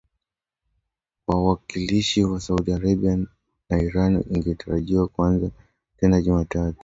wawakilishi wa Saudi Arabia na Iran ingetarajiwa kuanza tena Jumatano